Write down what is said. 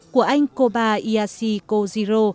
của anh kobayashi kojiro